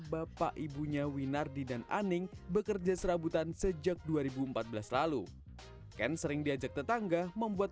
bapak ibunya winardi dan aning bekerja serabutan sejak dua ribu empat belas lalu ken sering diajak tetangga membuat